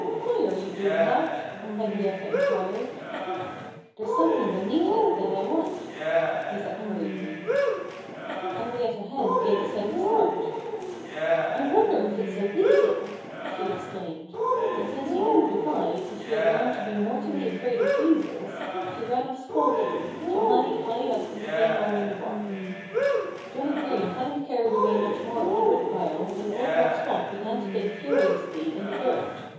"Why are you doing that?" Henrietta inquired. "There's something beneath it that I want," he said hurriedly. Henrietta Hen gave a sudden start. "I wonder if it's a weasel!" she exclaimed. And since he didn't reply, and she had learned to be mortally afraid of weasels, she ran off squawking, to hide high up in the haymow in the barn. Johnnie Green hadn't carried away much more of the woodpile when old dog Spot began to dig furiously in the dirt.